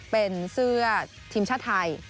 เป็นเสื้อทีมชาติไทย